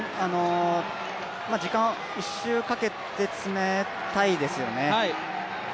時間を、１周かけて詰めたいですよね。